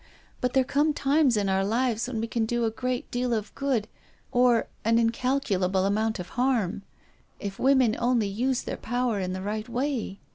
But there come times in our lives when we can do a great deal of good, or an incalculable amount of harm. If women only used their power in the right way